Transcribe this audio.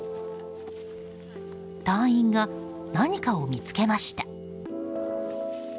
隊員が何かを見つけました。